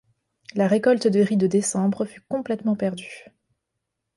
La récolte de riz de décembre fut complètement perdue.